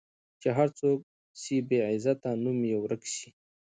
چي هر څوک سي بې عزته نوم یې ورک سي